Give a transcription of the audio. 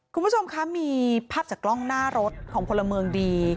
คุณผู้ชมคะมีภาพจากกล้องหน้ารถของพลเมืองดี